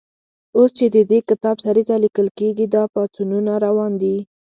اوس چې د دې کتاب سریزه لیکل کېږي، دا پاڅونونه روان دي.